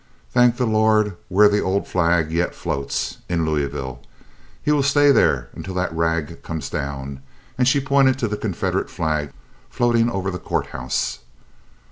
"Thank the Lord, where the old flag yet floats—in Louisville. He will stay there until that rag comes down," and she pointed to the Confederate flag floating over the courthouse.